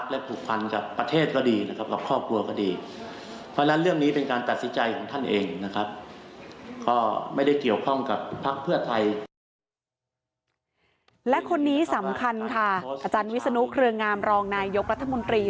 และคนนี้สำคัญค่ะอาจารย์วิศนุเครืองามรองนายกรัฐมนตรี